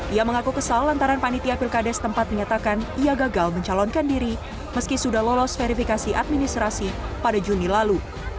ia mengaku kesal antara panitia pilkades tempat menyatakan ia gagal mencalonkan diri meski sudah lolos verifikasi administrasi pada juni lalu